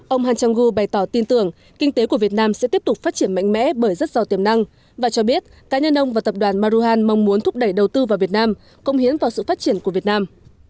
ông han chang gu bày tỏ tin tưởng kinh tế của việt nam sẽ tiếp tục phát triển mạnh mẽ bởi rất rõ tiềm năng và cho biết cá nhân ông và tập đoàn maruhan mong muốn thúc đẩy đầu tư vào việt nam công hiến vào sự phát triển của việt nam